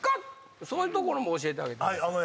そういうところも教えてあげてください。